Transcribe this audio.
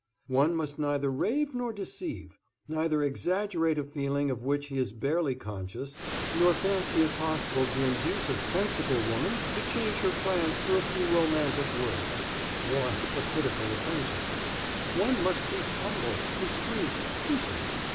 "One must neither rave nor deceive; neither exaggerate a feeling of which he is barely conscious, nor fancy it possible to induce a sensible woman to change her plans for a few romantic words, or hypocritical attentions; one must be humble, discreet, patient.